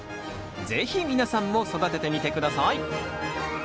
是非皆さんも育ててみて下さい。